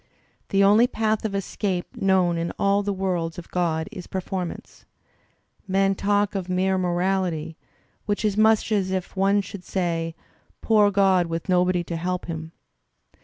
"The only path of escape known in all the worlds of God is performance." '' Men talk of * mere morality* — which is much as if one should say *poor God with nobody to help him.'